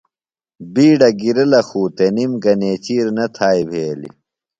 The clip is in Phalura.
بِیڈہ گِرلہ خُو تِنم گہ نیچِیر نہ تھایئ بھیلیۡ۔